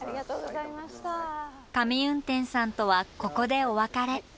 上運天さんとはここでお別れ。